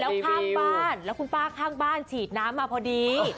แล้วข้างบ้านแล้วคุณป้าข้างบ้านฉีดน้ำมาพอดี